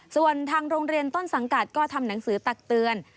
ส่วนทางโรงเรียนต้นสังกัดก็ทำหนังสือตักเตือน